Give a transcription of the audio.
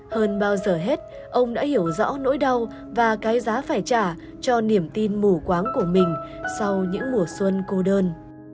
hơn bao giờ hết ông đã hiểu rõ nỗi đau và cái giá phải trả cho niềm tin mù quáng của mình sau những mùa xuân cô đơn